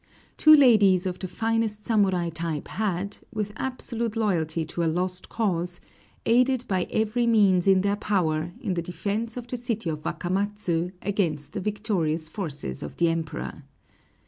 Two ladies of the finest samurai type had, with absolute loyalty to a lost cause, aided by every means in their power in the defense of the city of Wakamatsu against the victorious forces of the Emperor.